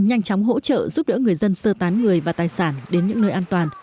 nhanh chóng hỗ trợ giúp đỡ người dân sơ tán người và tài sản đến những nơi an toàn